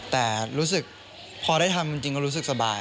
แต่รู้สึกพอได้ทำจริงก็รู้สึกสบาย